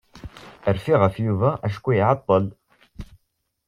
Rfiɣ ɣef Yuba acku iɛeṭṭel.